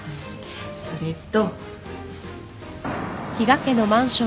それと。